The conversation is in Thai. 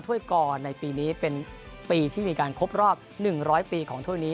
ถ้วยกอร์ในปีนี้เป็นปีที่มีการครบรอบ๑๐๐ปีของถ้วยนี้